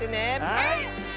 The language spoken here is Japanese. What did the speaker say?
はい！